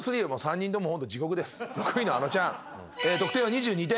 ６位のあのちゃん。